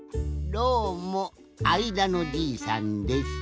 どうもあいだのじいさんです。